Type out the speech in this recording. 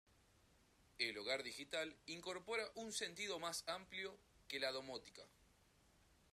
El Hogar Digital, incorpora un sentido más amplio que la domótica.